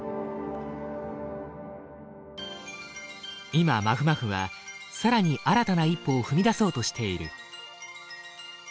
今まふまふは更に新たな一歩を踏み出そうとしている。